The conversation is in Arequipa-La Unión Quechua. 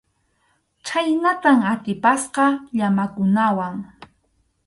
Chhaynatam atipasqa llamakunawan.